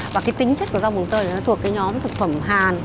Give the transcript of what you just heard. và cái tính chất của rau vùng tơi nó thuộc cái nhóm thực phẩm hàn